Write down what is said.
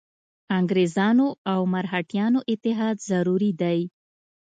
انګرېزانو او مرهټیانو اتحاد ضروري دی.